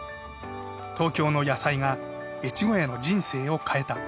東京の野菜が越後屋の人生を変えた。